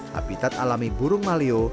habitat alami burung maleo